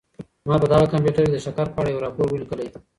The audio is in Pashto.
ما په دغه کمپیوټر کي د شکر په اړه یو راپور ولیکلی.